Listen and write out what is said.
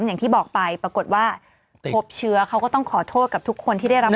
อย่างที่บอกไปปรากฏว่าพบเชื้อเขาก็ต้องขอโทษกับทุกคนที่ได้รับ